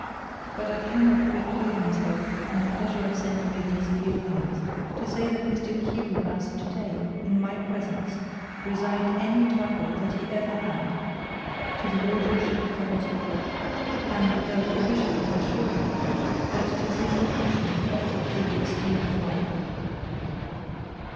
But I cannot preclude myself from the pleasure of sending you these few lines to say that Mr Q. has to day, in my presence, resigned any title that he ever had to the wardenship of the hospital, and that the bishop has assured me that it is his intention to offer it to your esteemed father.